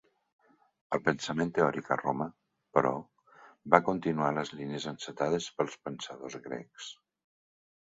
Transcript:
El pensament teòric a Roma, però, va continuar les línies encetades pels pensadors grecs.